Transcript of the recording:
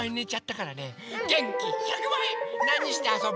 なにしてあそぶ？